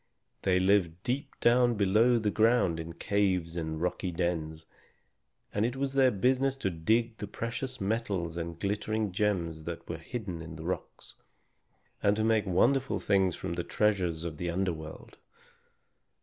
They lived deep down below the ground in caves and rocky dens, and it was their business to dig the precious metals and glittering gems that were hidden in the rocks, and to make wonderful things from the treasures of the under world.